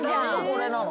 これなの？